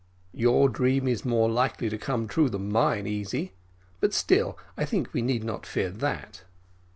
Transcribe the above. "Your dream is more likely to come true than mine, Easy; but still I think we need not fear that.